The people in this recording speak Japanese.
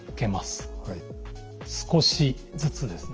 少しずつですね。